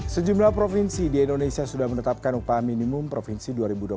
sejumlah provinsi di indonesia sudah menetapkan upah minimum provinsi dua ribu dua puluh satu